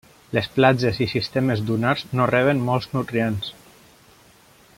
Les platges i sistemes dunars no reben molts nutrients.